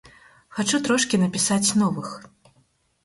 Хачу трошкі напісаць новых.